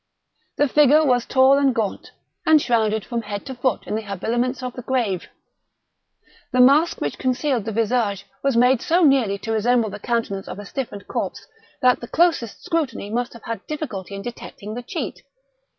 The figure was tall and gaunt, and shrouded from head to foot in the habiliments of the grave. The mask which concealed the visage was made so nearly to resemble the countenance of a stiffened corpse that the closest scrutiny must have had difficulty in detecting the cheat.